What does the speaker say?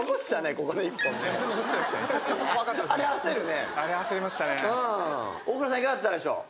いかがだったでしょう？